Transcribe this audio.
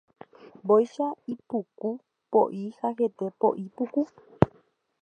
Mbóicha ikũ poʼi ha hete poʼi puku.